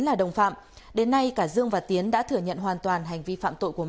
là đồng phạm đến nay cả dương và tiến đã thừa nhận hoàn toàn hành vi phạm tội của mình